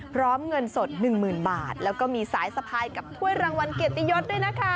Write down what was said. เงินสด๑๐๐๐บาทแล้วก็มีสายสะพายกับถ้วยรางวัลเกียรติยศด้วยนะคะ